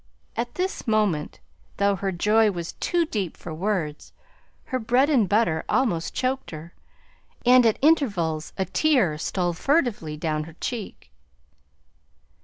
At this moment, though her joy was too deep for words, her bread and butter almost choked her, and at intervals a tear stole furtively down her cheek.